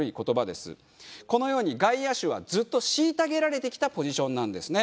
このように外野手はずっと虐げられてきたポジションなんですね。